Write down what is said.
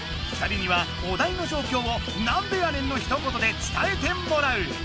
２人にはお題のじょうきょうを「なんでやねん」のひと言で伝えてもらう。